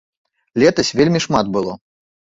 Летась вельмі шмат было.